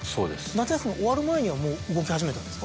夏休み終わる前にはもう動き始めたんですか？